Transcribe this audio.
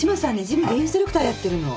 ジムでインストラクターやってるの。